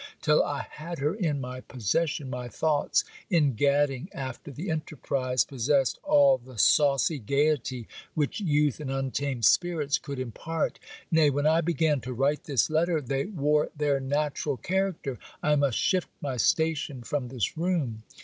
Till I had her in my possession, my thoughts, in gadding after the enterprise, possessed all the saucy gaiety which youth and untamed spirits could impart. Nay, when I began to write this letter, they wore their natural character. I must shift my station from this room.